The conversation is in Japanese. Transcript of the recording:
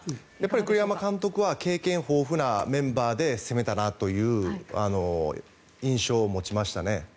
栗山監督は経験豊富なメンバーで攻めたなという印象を持ちましたね。